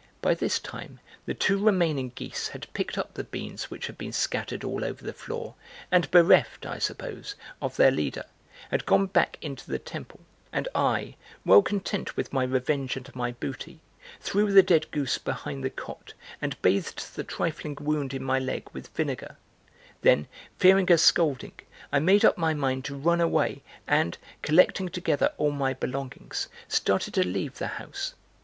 } By this time the two remaining geese had picked up the beans which had been scattered all over the floor and bereft, I suppose, of their leader, had gone back into the temple; and I, well content with my revenge and my booty, threw the dead goose behind the cot and bathed the trifling wound in my leg with vinegar: then, fearing a scolding, I made up my mind to run away and, collecting together all my belongings, started to leave the house.